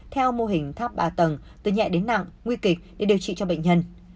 theo mô hình tháp ba tầng từ nhẹ đến nặng nguy kịch để điều trị cho bệnh nhân